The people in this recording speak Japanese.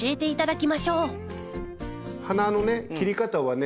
花の切り方はね